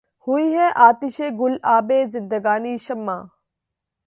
ہوئی ہے آتشِ گُل آبِ زندگانیِ شمع